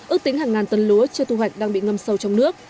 ước tính hàng ngàn tấn lúa chưa thu hoạch đang bị ngâm sâu trong nước